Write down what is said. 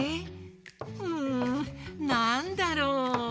うんなんだろう？